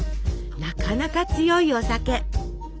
なかなか強いお酒。